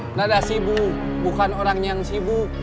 tidak ada sibu bukan orangnya yang sibuk